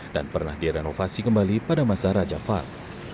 dan pernah direnovasi kembali pada masa raja fad